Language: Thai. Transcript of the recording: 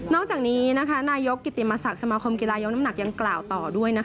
จากนี้นายกกิติมศักดิ์สมาคมกีฬายกน้ำหนักยังกล่าวต่อด้วย